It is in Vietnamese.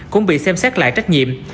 cũng bị xem xét lại trách nhiệm